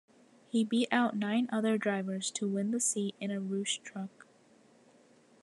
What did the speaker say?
He beat out nine other drivers to win the seat in a Roush truck.